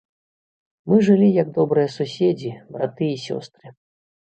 Мы жылі як добрыя суседзі, браты і сёстры.